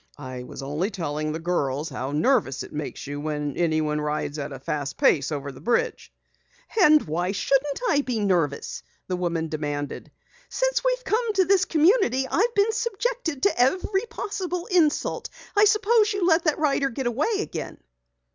"I was only telling the girls how nervous it makes you when anyone rides at a fast pace over the bridge." "And why shouldn't I be nervous?" the woman demanded. "Since we've come to this community, I've been subjected to every possible insult! I suppose you let that rider get away again?"